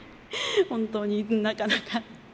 本当になかなかの。